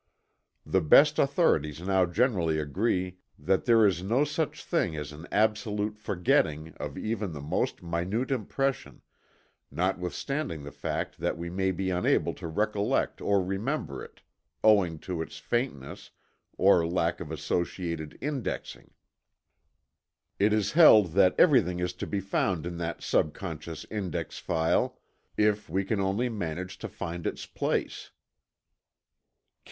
The best authorities now generally agree that there is no such thing as an absolute forgetting of even the most minute impression, notwithstanding the fact that we may be unable to recollect or remember it, owing to its faintness, or lack of associated "indexing." It is held that everything is to be found in that subconscious index file, if we can only manage to find its place.